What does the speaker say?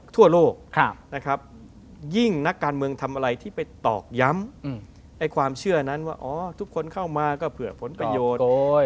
ทั่วโลกนะครับยิ่งนักการเมืองทำอะไรที่ไปตอกย้ำความเชื่อนั้นว่าอ๋อทุกคนเข้ามาก็เผื่อผลประโยชน์